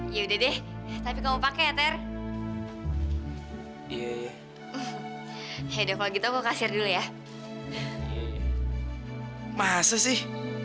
ya udah deh tapi kamu pakai teri ya ya ya udah kalau gitu aku kasih dulu ya masa sih